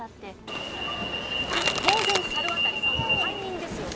当然猿渡さんは解任ですよね？